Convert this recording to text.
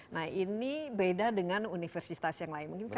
nah ini beda dengan universitas yang lain mungkin